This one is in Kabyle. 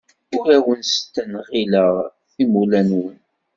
Ur awen-stengileɣ timula-nwen.